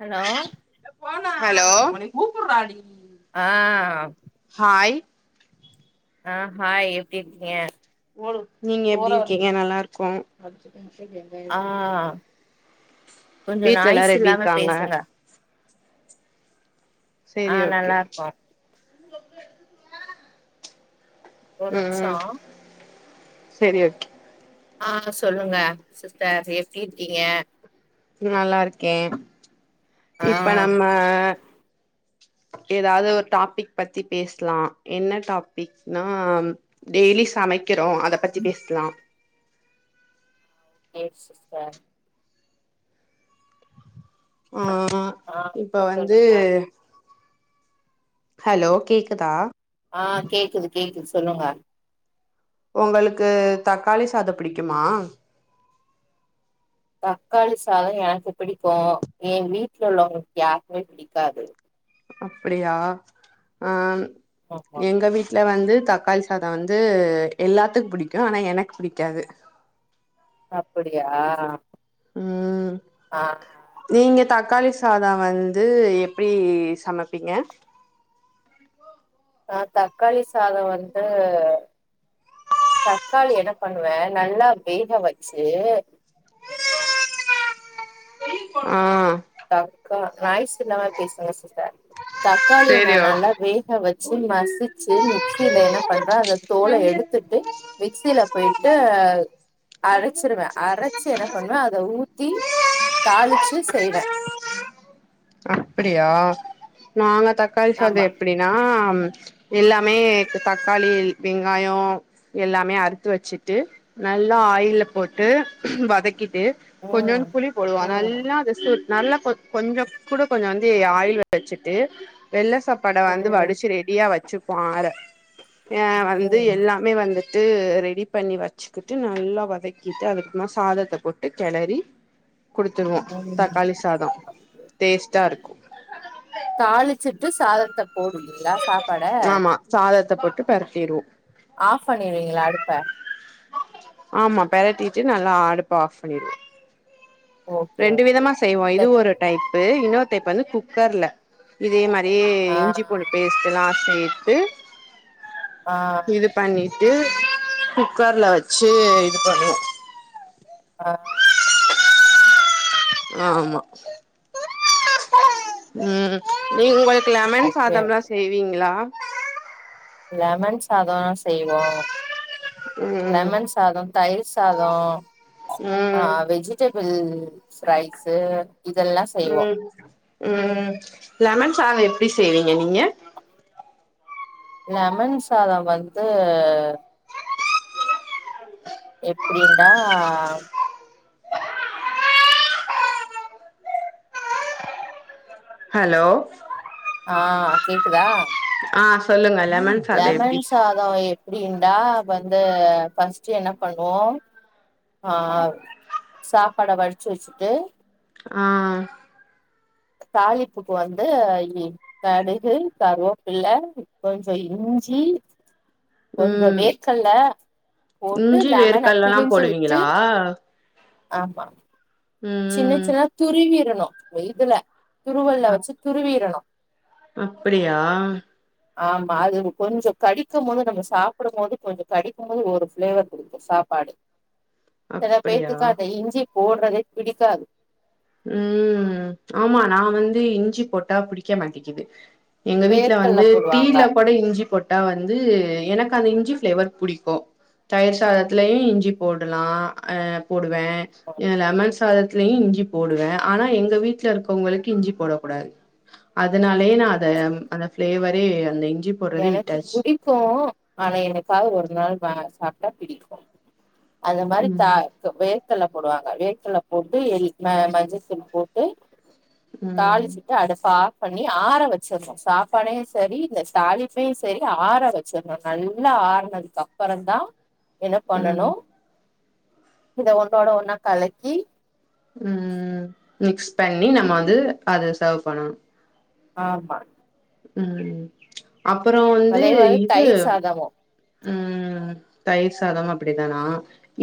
Hello hello ஆ hi ஆ hi எப்படி இருக்கீங்க நீங்க எப்டி இருக்கீங்க நல்லாருக்கோ ஆ கொஞ்சோ வீட்ல நாய்ஸ் எல்லாரும் எப்டி இல்லாம இருக்காங்க பேசுங்க ஆ செரி ஓகே நல்லாருக்கோ ஒரு நிமிஷோ ம் செரி ஓக்கே ஆ சொல்லுங்க சிஸ்டர் எப்படி இருக்கீங்க நல்லாருக்கே ஆ இப்ப நம்ம ஏதாது ஒரு டாபிக் பத்தி பேஸ்லாம் என்ன டாபிக்னா டெய்லி சமைக்கிறோ அத பத்தி பேஸ்லாம் எ சிஸ்டர் ஆ ஆ இப்போ வந்து சொல்லுங்க ஹலோ கேக்குதா ஆ கேக்குது கேக்குது சொல்லுங்க ஒங்களுக்கு தக்காளி சாதம் பிடிக்குமா தக்காளி சாதம் எனக்கு பிடிக்கும் என் வீட்ல உள்ளவங்களுக்கு யாருக்குமே பிடிக்காது அப்படியா அ ஆமா எங்க வீட்டு வீட்ல வந்து தக்காளி சாதம் வந்து எல்லாத்துக் பிடிக்கும் ஆனா எனக்கு பிடிக்காது அப்படியா ம் அ நீங்க தக்காளி சாதம் வந்து எப்டி சமப்பீங்க நா தக்காளி சாதோ வந்து தக்காளி என்ன பண்ணுவே நல்லா வேக வச்சு ஆ தக்கா நாய்ஸ் இல்லாம பேசுங்க சிஸ்டர் தக்காளிய நா சேரி நல்லா ஓகே வேக வச்சு மசிச்சு மிக்சியில என்ன பண்ற அத தோல எடுத்துட் ய் மிக்சில போயிட்டு அரச்சிருவ அரைச்சி என்ன பண்ணுவ அத ஊத்தி தாளிச்சு செய்வ அப்டியா நாங்க தக்காளி சாத ஆமா எப்டின்னா எல்லாமே தக்காளி வெங்காயோ எல்லாமே அறுத்து வச்சுட்டு நல்லா ஆயில்ல போட்டு வதக்கிட்டு கொஞ்சோண் ம் புளி போடுவா ம் நல்லா ஜஸ்ட் நல்லா கொ கொஞ்சோ கூட கொஞ்ச வந்து ஆயில் வச்சிட்டு வெள்ள சாப்பாட வந்து வடிச்சு ம் ரெடியா வச்சுப்போ ஆற ய வந்து எல்லா மே வந்துட்டு ரெடி பண்ணி வச் வச்சுக்கிட்டு நல்லா வதக்கிட்டு அதுக்குப்புறமா சாதத்த போட்டு கெலரி குடுத்துருவோம் ம் ம் தக்காளி சாதம் டேஸ்ட்டா இருக்கு தாளிச்சிட்டு சாதத்த போடுவீங்களா சாப்பாட ஆமா சாதத்த போட்டு பெரட்டிருவோ ஆஃப் பண்ணிடுவீங்களா அடுப்ப ஆமா பெரட்டிட்டு நல்லா அடுப்பு ஆஃப் பண்ணிடுவ ஓகே ரெண்டு ஓகே விதமா செய்வோ இல்ல இது ஒரு டைப்பு இன்னொரு டைப் வந்து குக்கர்ல இதே மாரியே ஆ இஞ்சி பொழு பேஸ்டெல்லா சேத்து ஆ இது பண்ணிட்டு குக்கர்ல வச்சு இது பண்ணுவோ ஆ ஆமா ம் நீங்கள் லெமன் ஓகே சாதம் எல்லா செய்வீங்களா லெமன் சாதோலா செய்வோ ம் லெமன் சாதோ தயிர் சாதோ ஆ ம் வெஜ்ஜீ வெஜிடேபுள் ரைஸு இதெல்லா செய்வோ ம் ம் லெமன் சாதோ எப்டி செய்வீங்க நீங்க லெமன் சாதோ வந்து எப்டிண்டா ஹலோ ஆ கேக்குதா ஆ சொல்லுங்க லெமன் சாதோ எப்டி லெமன் சாதோ எப்டிண்டா வந்து பர்ஸ்ட் என்ன பண்ணுவோ ஆ சாப்பாட வடிச்சு வச்சுட்டு ஆ தாளிப்புக்கு வந்து எ கடுகு கருவேப்பில்ல கொஞ்சோ இஞ்சி கொஞ்சோ ம் வேர்கல்ல போட்டு இஞ்சி லெமன வேர்கல்லலா பிழிஞ்சு விட்டு போடுவீங்களா ஆமா ம் சின்ன சின்னா தா துருவிரணு இதுல துருவல்ல வச்சு துருவிரணு அப்டியா ஆமா அது கொஞ்சோ கடிக்கு போது நம்ம சாப்பிடும் போது கொஞ்சோ கடிக்கும்போது ஒரு ஃபிளேவர் [unintelligible] சாப்பாடு [inaudible] சில அப்படியா பேத்துக்க அந்த இஞ்சி போடுறதே பிடிக்காது ம் ஆமா நா வந்து இஞ்சி போட்டா புடிக்க மாட்டேக்குது எங்க வீட்டுல வேர்க்கல்ல வந்து போடுவாங்க டீல கூட இஞ்சி போட் டா வந்து எனக்கு அந்த இஞ்சி ஃபிளேவர் பிடிக்கு தயிர் சாதத்துலயு இஞ்சி போடுலா அ போடுவே லெமன் சாதத்துலயு இஞ்சி போடுவே ஆனா எங்க வீட்ல இருக்கவங்களுக்கு இஞ்சி போடக் கூடாது அதனாலயே நா அத அந்த பிளேவரே அந்த இஞ்சி போடுறதே எனக்கு விட்டாச்சு பிடிக்கு ஆனா என்னைக்காது ஒரு நாள் சாப்ட்டா பிடிக்கு அது மாரி தா ம் வேர்க்கல்ல போடுவாங்க வேர்க்கல்ல போட்டு எ மஞ்சள் தூள் போட்டு ம் தாளிச்சிட்டு அடுப்ப ஆப் பண்ணி ஆற வச்சிருனு சாப்பாடையு செரி இந்த தாலிப்பையு செரி ஆற வச்சிருணு நல்லா ஆறுனதுக்கு அப்றோ தா என்ன பண்ணணு ம் இத ஒன்னோட ஒன்னா கலக்கி ம் மிக்ஸ் பண்ணி நம்ம வந்து அத சர்வ் பண்ணணு ஆமா ம் அப்றோ வந்து அதே மாரி இது தயிர் சாதமு ம் தயிர் சாதம் அப்டிதானா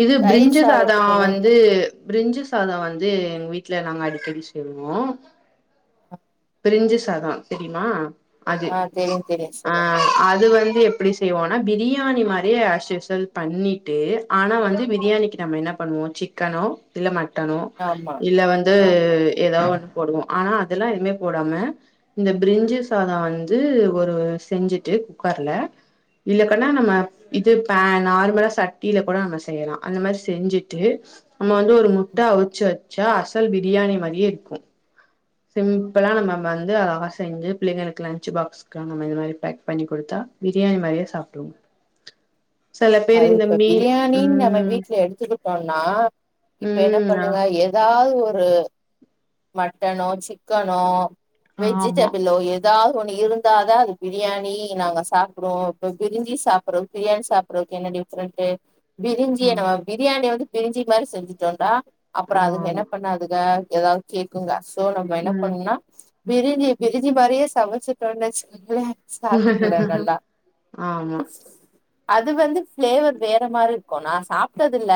இது தயிர் பிரிஞ்சு சாதோ சாதத்துக்கு வந்து பிரிஞ்சு சாதோ வந்து எங்க வீட்ல நாங்க அடிக்கடி செய்வோ பிரிஞ்சு சாதோ தெரியுமா அது ஆ தெரியு தெரியு ஆ சொல்லுங்க அது வந்து எப்டி செய்வோ ஆனா பிரியாணி மாரியே அஸ்யூசுவல் பண்ணிட்டு ஆனா வந்து பிரியாணிக்கு நம்ம என்ன பண்ணுவோ சிக்கனோ இல்ல மட்டணோ ஆமா இல்ல வந்து ஆமா ஏதாவது ஒண்ணு போடுவோ ஆனா அதெல்லா எதுவுமே போடாம இந்த பிரிஞ்சு சாதோ வந்து ஒரு செஞ்சுட்டு குக்கர்ல இல்லக்கண்ணா நம்ம இது பே நார்மலா சட்டில கூட நம்ம செய்யலா அந்த மாரி செஞ்சிட்டு நம்ம வந்து ஒரு முட்ட அவிச்சி வச்சா அசல் பிரியாணி மாதியே இருக்கு சிம்பிளா நம்ம வந்து அழகா செஞ்சி பிள்ளைங்களுக்கு லன்ச்சு பாக்ஸ் [unintelligible] இத மாரி பேக் பண்ணி குடுத்தா பிரியாணி மாரியே சாப்பிடுவாங்க அது இப்ப பிரியாணின்னு நம்ம ம் வீட்ல எடுத்துக்கிட்டோன்னா இப்ப என்ன ம் ஆ பண்ணுங்க ஏ ஏதாவது ஒரு மட்டனோ சிக்கனோ ஆமா வெஜிடபிளோ எதாவது ஒண்ணு இருந்தாதா அது பிரியாணி நாங்க சாப்பிடுவோ இப்ப பிரிஞ்சி சாப்பிடுறோ பிரியாணி சாப்ப அப்றோ அதுக்கு என்ன டிஃப்ரெண்ட் ஆ பிரிஞ்சிய நம்ம பிரியாணி வந்து பிரிஞ்சி மாரி செஞ்சிட்டோன்னா அப்றோ அதுக ஆமா என்ன பண்ணாதுக எதாவது கேக்குங்க சோ நம்ம என்ன ம் பண்ணணுன்னா பிரஞ்சி பிரஞ்சி மாரியே சமச்சிட்டோனு வெச்சுங்களே சாப்ட்டுக்குலா நல்லா ஆமா அது வந்து ஃபிளேவர் வேற மாரி இருக்கு நா சாப்ட்டது இல்ல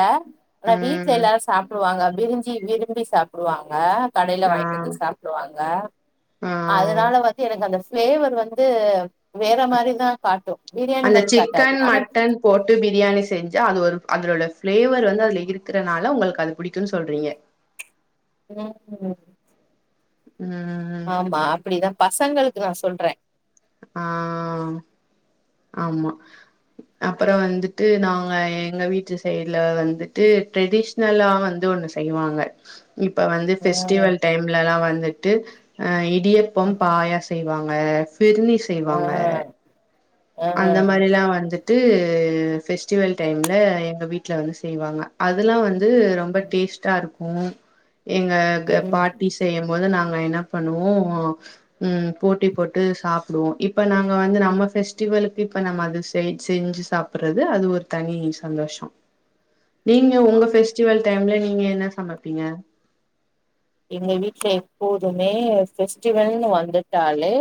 ஆனா வீட்ல ம் எல்லாரு சாப் டுவாங்க பிரிஞ்சி விரும்பி சாப்டுவாங்க கடேல ஆ வாங்கிட்டு வந்து சாப்டுவாங்க ஆ அதுனால வந்து எனக்கு அந்த ஃபிளேவர் வந்து வேற மாரிதா காட்டு பிரியாணி அந்த மாரி காட்டாது சிக்கன் ஆனா மட்டன் போட்டு பிரியாணி செஞ்சா அது ஒரு அதோட ஃபிளேவர் வந்து அதுல இருக்கறனால உங்களுக்கு அது புடிக்குன்னு சொல்றீங்க ம் ம் ம் ஆமா அப்டிதா பசங்களுக்கு நா சொல்றே ஆ ஆமா அப்பறோ வந்துட்டு நாங்க எங்க வீட்டு சைடுல வந்துட்டு ட்ரெடிஷ் நல்லா வந்து ஒண்ணு செய்வாங்க இப்ப வந்து ம் ஃபெஸ்டிவல் டைம்லல்லா வந்துட்டு ஆ இடியப்பம் ம், பாயா செய் வாங்க ஃபிரினி ஆ செய்வாங்க ஆ அந்த மாரில்லா வந்துட்டு ஃபெஸ்ட்டிவல் டைம்ல எங்க வீட்ல வந்து செய்வாங்க அதெல்லா வந்து ரொம்ப டேஸ்டா இருக்கு எங்க ம் பாட்டீஸ் செய்யம் போது நாங்க என்ன பண்ணுவோ ம் போட்டி போட்டு சாப்பிடுவோ இப்ப நாங்க வந்து நம்ம ஃபெஸ்ட் டிவல்க்கு இப்ப நம்ம அது செ செஞ்சி சாப்ட்றது அது ஒரு தனி சந்தோஷோ நீங்க உங்க ஃபெஸ்டிவல் டைம்ல நீங்க என்ன சமப்பீங்க எங்க வீட்ல எப்போதுமே ஃபெஸ்டிவல்னு வந்துட்டாலே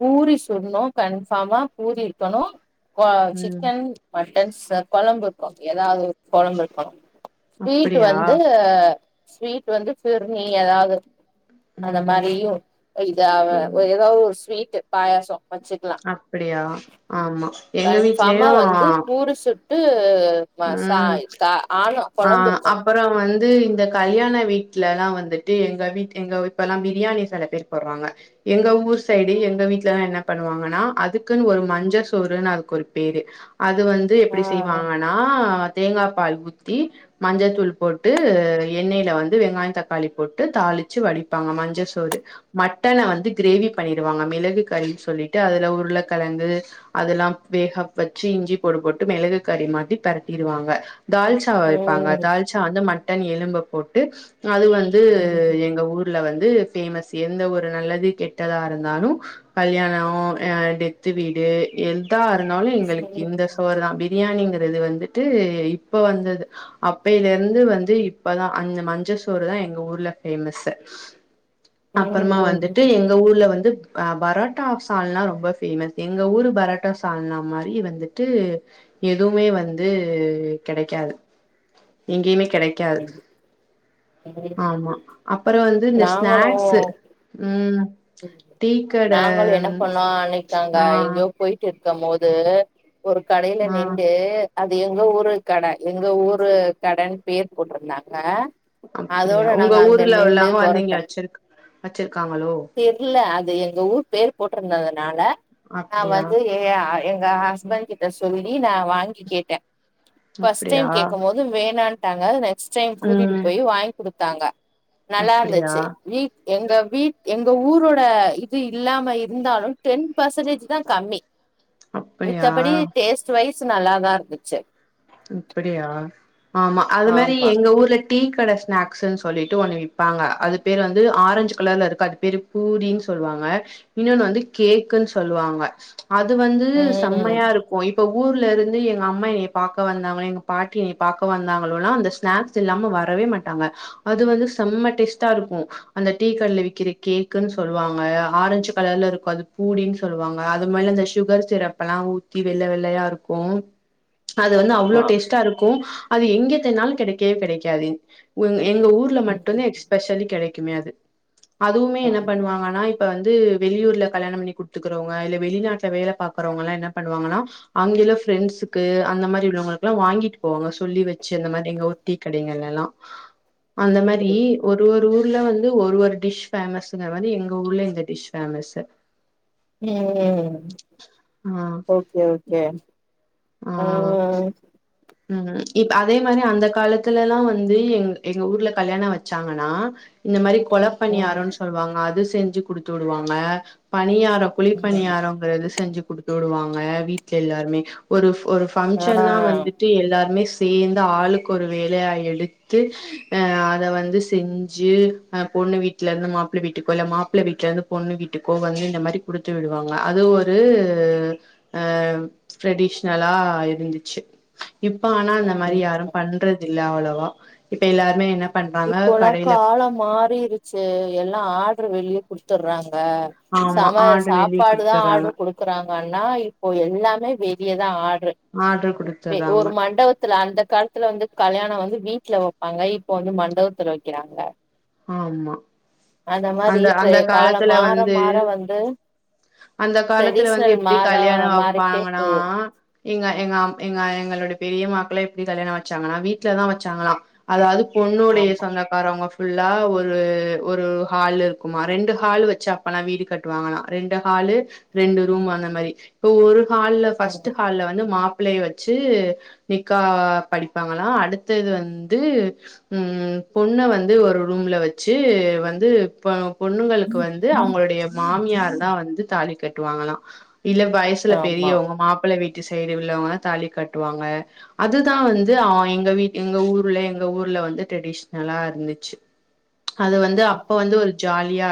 பூரி சுட்ணு கன்ஃபார்மா பூரி இருக்கனு ம் சிக்கன் மட்டன்ஸ் கொழம்பு இருக்கு ஏதாவது ஒரு கொழம்பு இருக்கனு ஸ்வீட் அப்டியா வந்து ஸ்வீட் வந்து ஃபிர்ணி ஏதாது அந்த ம் மாரியு இத ம் ஏதாவது ஒரு ஸ்வீட் பாயாசோ வச்சுக்கலா அப்படியா ஆமா எங்க வீட்லயு கன்ஃபாமா வந்து பூரி சுட்டு ம் [unintelligible] ஆ அப் இருக்கணு அப்பறோ வந்து இந்த கல்யாண வீட்ல எல்லா வந்துட்டு எங்க வீட் எங்க இப்ப எல்லா பிரியாணி செல பேர் போட்றாங்க எங்க ஊர் சைடு எங்க வீட்லல்லா என்ன பண்ணுவாங்கன்னா அதுக்குன்னு ஒரு மஞ்ச சோறுன்னு அதுக்கு ஒரு பேரு அது வந்து எப்டி ஆ செய்வாங்கன்னா தேங்காப்பால் ஊத்தி மஞ்சத்தூள் போட்டு எண்ணெயில வந்து வெங்காயோ தக்காளி போட்டு தாளிச்சி வடிப்பாங்க மஞ்ச சோறு மட்டன வந்து கிரேவி பண்ணிருவாங்க மிளகு கறின்னு சொல்லிட்டு அதுல உருளகிழங்கு அதெல்லா வேக வச்சு இஞ்சி பூண்டு போட்டு மெளகு கறி மாறி பிரட்டிருவாங்க தால்ச் [unintelligible] வெப்பாங்க ம் தால்சா வந்து மட்டன் எலும்ப போட்டு அது வந்து எங்க ஊர் ல வந்து ஃபேமஸ் எந்த ஒரு நல்லது கெட்டதா இருந்தாலு கல்யாணோ ஆ டெத்து வீடு எதா இருந்தாலு எங்களுக்கு இந்த சோறு தா பிரியாணிங்கறது வந்துட்டு இப்ப வந்தது அப்பைல இருந்து வந்து இப்பதா அந்த மஞ்ச சோறு தா எங்க ஊர்ல பேமஸ் அப்பறமா வந்துட்டு எங் உங்க ஊர்ல வந்து பரோட்டா சால்னா ரொம்ப பேமஸ் எங்க ஊரு பரோட்டா சால்னா மாரி வந்து ட்டு எதுவுமே வந்து கெடைக்காது எங்கேயுமே கெடைக்காது ஆமா அப்பறோ வந்து இந்த நாங்களு ஸ்நாக்ஸ் ம் டீ கட நாங்களு என்ன பண்ணோ அன்னைக்கு அங்க ஆ எங்கயோ போய்ட்டு இருக்கு போது ஒரு கடையில ஆ நிண்டு அது எங்க ஊரு கட எங்க ஊரு கடனு பேர் போட்டிருந்தாங்க அதோட அப்டியா உங்க நாங்க அங்க ஊர்ல நிண்டு உள்ளவங்க வந்து இங்க பொரட்டா வச்சிரு வச்சிருக்காங்களோ தெர்ல அது எங்க ஊர் பேர் போட்டிருந்ததுனால நா அப்டியா வந்து எ எங்க ஹஸ்பண்ட் கிட்ட சொல்லி நா வாங்கி கேட்ட பஸ்ட் அப்டியா டைம் கேட்குபோது ம் வேணான்ட்டாங்க நெக்ஸ்ட் டைம் கூட்டிட்டு ம் போய் வாங்கி கொடுத்தாங்க நல்லா அப்டியா இருந்துச்சு வீ எங்க வீ எங்க ஊரோட இது இல்லாம இருந்தாலு டென் பர்சன்டேஜ் தா கம்மி அப்படியா மத்தபடி டேஸ்ட் வைஸ் நல்லாதா இருந்துச்சு அப்படியா ஆமா அது மாறி ஆமா எங்க ஊர்ல டீ கட ஸ்நாக்ஸ்ன்னு சொல்லிட்டு ஒண்ணு விப்பாங்க அது பேரு வந்து ஆரஞ்ச் கலர்ல இருக்கு அது பேரு பூரின்னு சொல்லுவாங்க இன்னொன்னு வந்து கேக்குன்னு சொல்லுவாங்க அது வந்து ம் செம்மையா இருக்கு இப்ப ஊர்ல இருந்து எங்க அம்மா என்ன பாக் ப வந்தங்க எங்க பாட்டி என்ன பாக்க வந்தாங்களோல்லான அந்த ஸ்நாக்ஸ் இல்லாம வரவே மாட்டாங்க அது வந்து செம்ம டேஸ்ட்டா இருக்கு அந்த டீ கடல விக்கிற கேக்குன்னு சொல்லுவாங்க ஆரஞ்சு கலர்ல இரு அது பூரின்னு சொல்லுவாங்க அது மேல அந்த சுகர் சிரப் எல்லா ஊத்தி வெள்ள வெள்ளையா இருக்கு அது வந்து அவ்ளோ ஆமா டேஸ்ட்டா இருக்கு அது எங்க தேட்னாலு கெடைக்கவே கெடைக்காது எங்க ஊர் ம். மட்டும்தான் எஸ்பெஷல கிடைக்குமோ அது அதுவுமே என்ன ஆமா பண்ணுவாங்கன்னா இப்ப இப்ப வந்து வெளியூர்ல கல்யானோ பண்ணி குடுத்துக்கறவங்க இல்ல வெளிநாட்டுல வேல பாகறவங்கல்லா என்ன பண்ணுவாங்கன்னா அங்கே உள்ள பிரண்ட்ஸ்க்கு அந்த மாறி உள்ளவங்களுக்கெல்லாம் வாங்கிட்டு போவாங்க சொல்லி வச்சு அந்த மாதிரி எங்க ஊர் டீ கடைகள்ல எல்லா அந்த மாரி புரியுது. ஒரு ஒரு ஒரு ஊர்ல வந்து ஒரு ஒரு டிஷ் பேஃமஸ்ங்கர் மாரி எங்க ஊர்ல இந்த டிஷ் பேஃமஸ் ம் ஆ ஓகே ஓகே அ ஆ ம் இப்ப அதே மாதிரி அந்த காலத்துல்லா வந்து எங்க எங்க ஊர்ல கல்யானோ வச்சாங்கன்னா இந்த மாரி கொலப்பனியாரம்ன்னு ம் சொல்லுவாங்க அது செஞ்சு குடுத்து விடுவாங்க பணியாரம் ம். குழிப்பணியாரங்கிறது செஞ்சு குடுத்து விடுவாங்க வீட்ல எல்லாருமே ஒரு ஃப் ஒரு ஃப் ஆ பங்க்ஷன்னா வந்துட் விட்டு எல்லாருமே சேர்ந்து ஆளுக்கு ஒரு வேலையா எடுத்து அத வந்து செஞ்சு அ பொண்ணு வீட்ல இருந்து மாப்பிள வீட்டுக்கோ இல்ல மாப்பிள வீட்டுல இருந்து பொண்ணு வீட்டுக்கோ வந்து இந்த மாரி கொடு த்து விடுவாங்க அது ஒரு அ ட்ரெடிஷனலா இருந்துச்சு இப்ப ஆனா அந்த மாரி யாரு ம் பண்றது இல்ல அவ்ளவா இப்ப எல்லாருமே என்ன பண்றாங்க இப்போல்லா கடையில காலம் மாறிருச்சு எல்லா ஆடர்ரு வெளிய குடுத்துறாங்க ஆமா செம ஆர்டர் வெளிய சாப்பாடு தா குடுத்துறாங்க ஆடர் கொடுக் க்குறாங்கன்னா இப்போ எல்லாமே வெளியதா ஆட்ரு ஆர்டர் குடுத்துறாங்க ஒரு மண்டபத் த்துல அந்த காலத்துல வந்து கல்யானோ வந்து வீட்ல வப்பாங்க இப்ப வந்து மண்டபத்துல வைக்கிறாங்க ஆமா அந்த அந்த காலம் காலத்துல மாற வந்து மாற வந்து அந்த காலத்துல வந்து ட்ரெடிஷ்னல் எப்டி மாற கல்யாணம் மாறிட்டே வைப்பாங்கனா போது எங்க எங்க அம் எங்க எங்களோட பெரியமாக்களே இப்டி கல்யாணம் வச்சாங்களனா வீட்லதா வச்சாங்களா அதாவது பொண்ணுடைய ஆமா சொந்தகாரவங்க ஃபுல்லா ஒரு ஒரு ஹால் இருக்குமா ரெண்டு ஹால் வச்சு அப்பலா வீடு கட்டுவாங்கலா ரெண்டு ஹாலு ரெண்டு ரூம் அந்த மாரி இப்ப ஒரு ஹால்ல பஸ்ட் ஹால்ல வந்து மாப் பிள்ளைய வச்சு நிக்கா படிப்பாங்களா அடுத்தது வந்து உம் பொண்ண வந்து ஒரு ரூம்ல வச்சி வந்து பொ பொண்ணுங்களுக்கு வந் ந்து ம் அவங்களுடைய மாமியார் தா வந்து தாலி கட்டுவாங்கலா இல்ல வயசு சில ஆமா பெரியவங்க மாப்பிள்ள வீட்டு சைடு உள்ளவங்க தாலி காட்டுவாங்க அதுதா வந்து அவ எங்க வீட் எங்க ஊர்ல எங்க ஊர்ல வந்து ட்ரெடிஷ்னலா இருந்துச்சு அது வந்து அப்ப வந்து ஒரு ஜாலியா